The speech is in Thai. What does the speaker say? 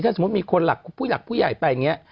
สมมุติมีคนหลักผู้หลักผู้ใหญ่ไปอย่างนี้